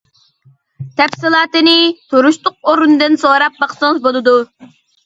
تەپسىلاتىنى تۇرۇشلۇق ئورۇندىن سوراپ باقسىڭىز بولىدۇ.